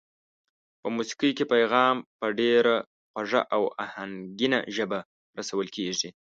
په موسېقۍ کې پیغام په ډېره خوږه او آهنګینه ژبه رسول کېږي.